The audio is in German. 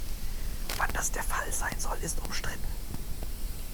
Wann das der Fall sein soll, ist umstritten.